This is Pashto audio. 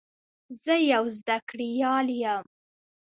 زه یو زده کړیال یم.